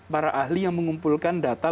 para ahli yang mengumpulkan data